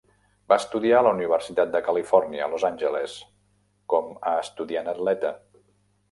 Va estudiar a la Universitat de Califòrnia, a Los Angeles, com a estudiant-atleta.